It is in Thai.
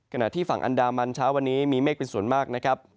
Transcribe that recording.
ขณะที่ฝั่งอันดามันเช้าวันนี้มีเมฆเป็นส่วนมากนะครับ